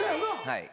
はい。